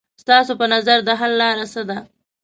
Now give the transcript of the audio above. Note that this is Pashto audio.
ستاسو په نظر د حل لاره څه ده؟